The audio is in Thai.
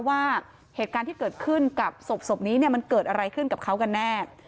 ว่าเหตุการณ์ที่เกิดขึ้นกับศพนี้มันเกิดอะไรขึ้นกับเขากันแน่